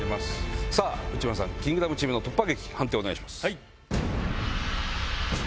内村さん『キングダム』チームの突破劇判定をお願いします。